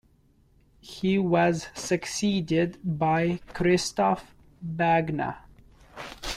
He was succeeded by Christoph Bergner.